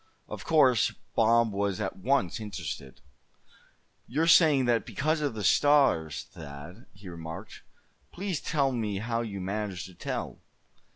Of course Bob was at once interested. "You're saying that because of the stars, Thad," he remarked. "Please tell me how you managed to tell."